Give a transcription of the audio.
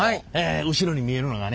後ろに見えるのがね